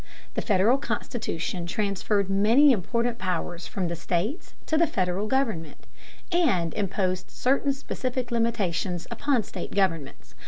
The Federal Constitution transferred many important powers from the states to the Federal government, and imposed certain specific limitations upon state governments.